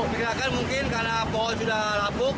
dikirakan mungkin karena pohon sudah lapuk